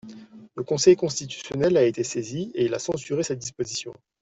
Le Conseil constitutionnel a été saisi et il a censuré cette disposition.